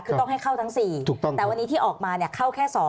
คือต้องให้เข้าทั้ง๔แต่วันนี้ที่ออกมาเข้าแค่๒